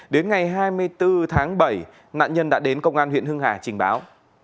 đến ngày hai mươi bốn tháng bảy nạn nhân đã đến công an huyện hưng hà trình báo